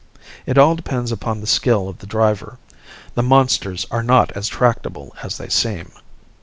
It all depends upon the skill of the driver. The monsters are not as tractable as they seem.